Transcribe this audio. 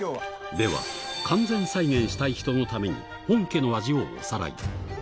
では、完全再現したい人のために、本家の味をおさらい。